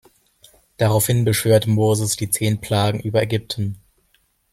Daraufhin beschwört Moses die „Zehn Plagen“ über Ägypten.